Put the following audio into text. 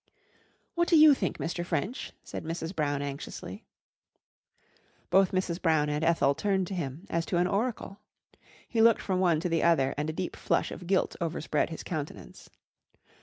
"What do you think, Mr. French?" said Mrs. Brown anxiously. Both Mrs. Brown and Ethel turned to him as to an oracle. He looked from one to the other and a deep flush of guilt overspread his countenance.